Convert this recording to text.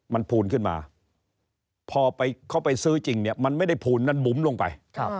มันพูนขึ้นมาพอเขาไปซื้อจริงเนี่ยมันไม่ได้พูนนั้นบุ๋มลงไป